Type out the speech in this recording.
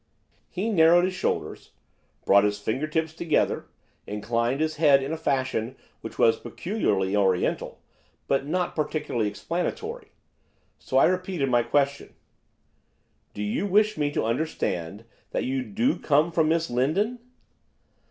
He narrowed his shoulders, brought his finger tips together, inclined his head, in a fashion which was peculiarly Oriental, but not particularly explanatory, so I repeated my question. 'Do you wish me to understand that you do come from Miss Lindon?